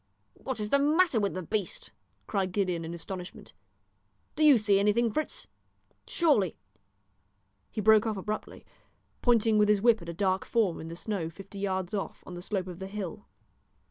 "What is the matter with the beast?" cried Gideon in astonishment. "Do you see anything, Fritz? Surely " He broke off abruptly, pointing with his whip at a dark form in the snow fifty yards off, on the slope of the hill.